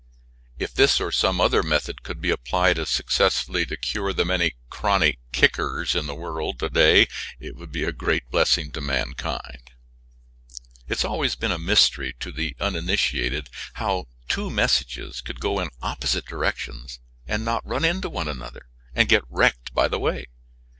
If this or some other method could be applied as successfully to cure the many chronic "kickers" in the world it would be a great blessing to mankind. It has always been a mystery to the uninitiated how two messages could go in opposite directions and not run into one another and get wrecked by the way.